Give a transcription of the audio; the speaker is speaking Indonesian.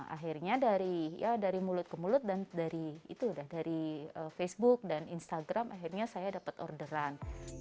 akhirnya dari mulut ke mulut dan dari itu dari facebook dan instagram akhirnya saya dapat orderan